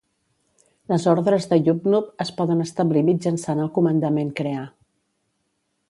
Les ordres de YubNub es poden establir mitjançant el comandament crear.